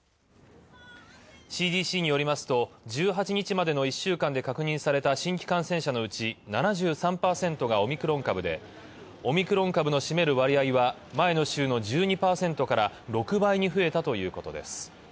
ＣＤＣによりますと１８日までの１週間で確認された新規感染者のうち、７３％がオミクロン株で、オミクロン株のしめる割合は前の週の１２％から６倍に増えたということです。